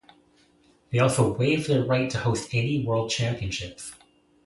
They also waived their right to host any World Championships.